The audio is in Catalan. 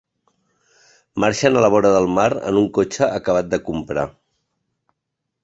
Marxen a la vora del mar en un cotxe acabat de comprar.